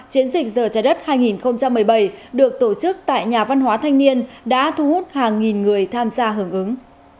chiến dịch giờ trái đất hai nghìn một mươi bảy được tổ chức tại nhà văn hóa thanh niên đã thu hút hàng nghìn người tham gia hưởng ứng